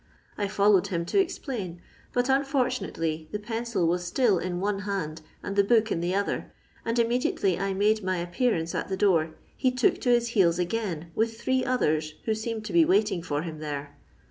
I followed him to expbiin, but unfortunatisly the pencil was still in one hand and the book in the other, and imme diately I made my appearance at the door he took to his heels, again with three others who seemed to be waiting for him there.